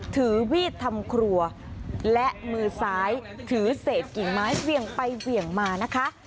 ถือมีดทำครัวและมือซ้ายถือเศษกิ่งไม้เวี่ยงไปเหวี่ยงมานะคะ